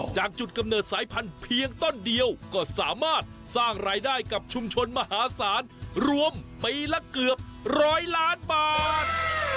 จากจุดกำเนิดสายพันธุ์เพียงต้นเดียวก็สามารถสร้างรายได้กับชุมชนมหาศาลรวมปีละเกือบร้อยล้านบาท